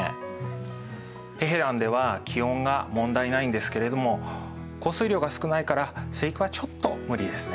テヘランでは気温が問題ないんですけれども降水量が少ないから生育はちょっと無理ですね。